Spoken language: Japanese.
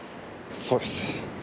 そうです。